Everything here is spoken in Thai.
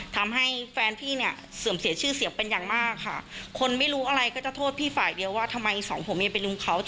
ทำให้แฟนพี่เนี่ยเสื่อมเสียชื่อเสียงเป็นอย่างมากค่ะคนไม่รู้อะไรก็จะโทษพี่ฝ่ายเดียวว่าทำไมสองผัวเมียเป็นลุงเขา